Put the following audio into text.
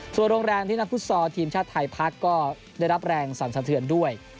ส่วนโรงแรมที่นักฟุตซอลทีมชาติไทยพักก็ได้รับแรงสรรสะเทือนด้วย